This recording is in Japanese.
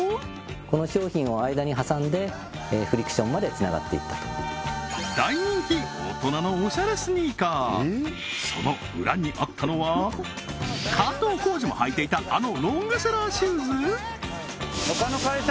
この商品を間に挟んでフリクションまでつながっていったとその裏にあったのは加藤浩次も履いていたあのロングセラーシューズ？